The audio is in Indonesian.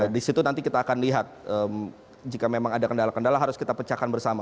di situ nanti kita akan lihat jika memang ada kendala kendala harus kita pecahkan bersama